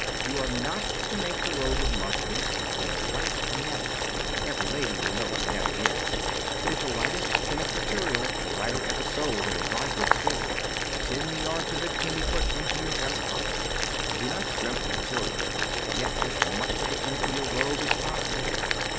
You are not to make the robe of muslin, but 6i white netting. Every lady will know what netting is. It is the lightest, thinnest material the writer ever saw sold in a dry goods store. Ten yards of it can be put into the vest pocket. Do not scrimp the material, but get as much of it into your robe as possible.